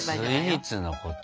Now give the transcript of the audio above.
スイーツのこと？